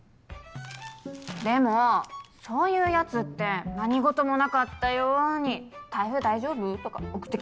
でもそういうやつって何ごともなかったように「台風大丈夫？」とか送ってきません？